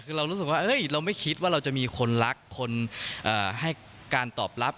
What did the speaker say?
คือเรารู้สึกว่าเราไม่คิดว่าเราจะมีคนรักคนให้การตอบรับ